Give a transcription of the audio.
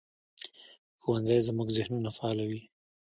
ښوونځی زموږ ذهنونه فعالوي